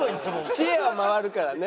知恵は回るからね。